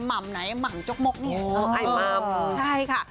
่ำไหนหม่ำจกมกนี่ไอหม่ำใช่ค่ะ